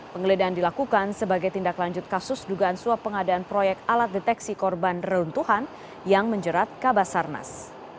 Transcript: penggeledahan dilakukan sebagai tindak lanjut kasus dugaan suap pengadaan proyek alat deteksi korban reruntuhan yang menjerat kabasarnas